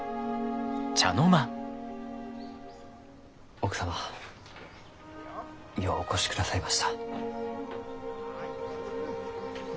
奥様ようお越しくださいました。